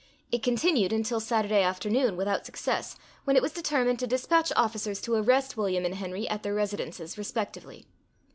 It continued until Saturday afternoon without success, when it was determined to dispatch officers to arrest William and Henry, at their residences, respectively.